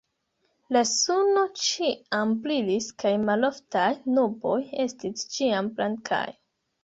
La suno ĉiam brilis kaj maloftaj nuboj estis ĉiam blankaj.